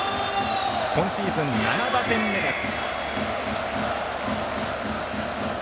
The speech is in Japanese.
今シーズン７打点目です。